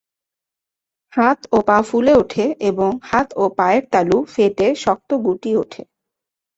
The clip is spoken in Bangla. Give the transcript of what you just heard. হাত ও পা ফুলে ওঠে এবং হাত ও পায়ের তালু ফেটে শক্ত গুটি ওঠে।